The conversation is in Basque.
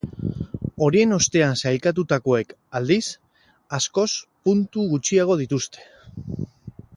Horien ostean sailkatutakoek, aldiz, askoz puntu gutxiago dituzte.